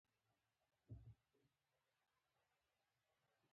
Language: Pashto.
انرژي د لمر له وړانګو ترلاسه کېږي.